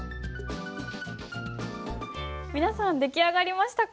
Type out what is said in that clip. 皆さん出来上がりましたか？